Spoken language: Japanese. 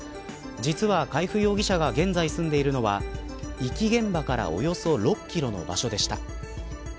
実は海部容疑者が現在住んでいるのは遺棄現場からおよそ６キロの場所でした。